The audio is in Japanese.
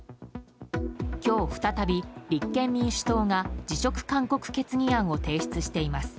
今日再び立憲民主党が辞職勧告決議案を提出しています。